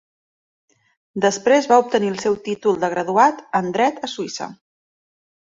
Després va obtenir el seu títol de graduat en Dret a Suïssa.